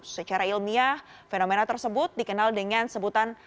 secara ilmiah fenomena tersebut dikenal dengan sebutan